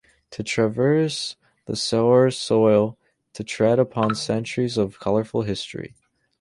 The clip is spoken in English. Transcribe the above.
To traverse the Sehore soil is to tread upon centuries of colorful history.